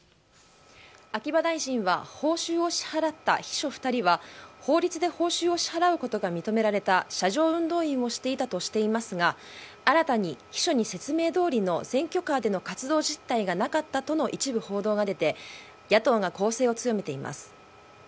秋葉大臣は、報酬を支払った秘書２人は法律で報酬を支払うことが認められた車上運動員をしていたとしていますが、新たに秘書に説明どおりの選挙カーでの活動実態がなかったとの一部報道が出て、野党が攻勢を強めています。